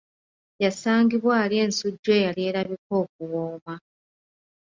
Yasangibwa alya ensujju eyali erabika okuwooma.